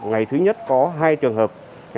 ngày thứ nhất có hai trường hợp